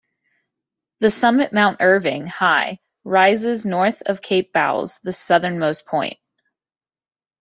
The summit Mount Irving, high, rises north of Cape Bowles, the southernmost point.